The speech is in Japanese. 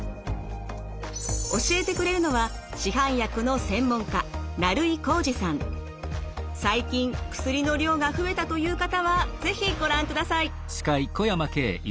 教えてくれるのは市販薬の専門家最近薬の量が増えたという方は是非ご覧ください。